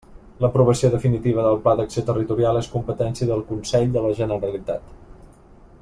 L'aprovació definitiva del Pla d'acció territorial és competència del Consell de la Generalitat.